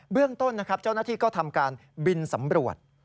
เบื้องต้นเจ้าหน้าที่ก็ทำการบินสำรวจ